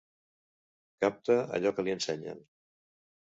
Capta allò que li ensenyen.